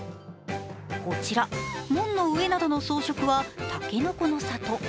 こちら、門の上などの装飾はたけのこの里。